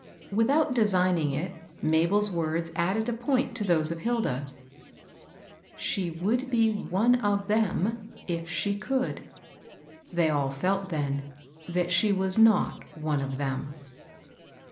Without designing it, Mabel's words added a point to those of Hilda. " She would be one of themj if she could." They all felt, then, that she was not one of them.